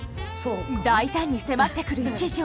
大胆に迫ってくる一条。